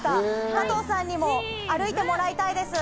加藤さんにも歩いてもらいたいです。